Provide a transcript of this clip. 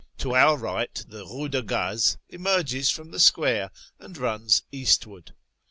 To our right the " Eue de Gaz " emerges from the square, and runs eastwards.